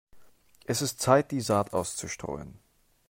Es ist Zeit, die Saat auszustreuen.